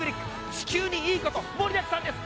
地球にいいこと盛りだくさんです